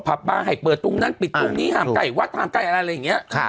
พับบางให้เปิดตรงนั้นปิดตรงนี้หามไก่วัดทำกายอะไรอย่างเงี้ยค่ะ